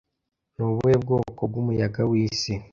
Ni ubuhe bwoko bw'umuyaga w'isi